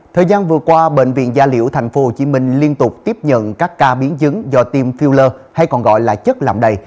thời gian vừa qua bệnh viện gia liễu tp hcm liên tục tiếp nhận các ca biến chứng do tiêm filler hay còn gọi là chất làm đầy